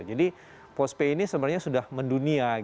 jadi postpay ini sebenarnya sudah mendunia